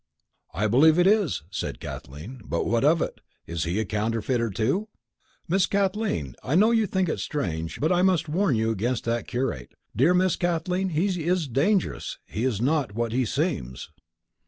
"I believe it is," said Kathleen, "but what of it? Is he a counterfeiter, too?" "Miss Kathleen, I know you think it strange, but I must warn you against that curate. Dear Miss Kathleen, he is dangerous. He is not what he seems."